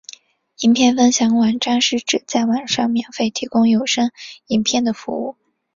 影片分享网站是指在网上免费提供有声影片的服务。